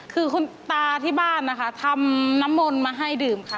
คือคุณตาที่บ้านนะคะทำน้ำมนต์มาให้ดื่มค่ะ